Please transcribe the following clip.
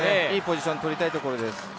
いいポジションを取りたいところです。